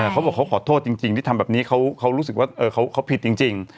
เขาบอกเขาขอโทษจริงที่ทำแบบนี้เขารู้สึกว่าเขาผิดจริง